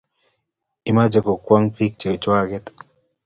imiche kopwaq pick che chwaket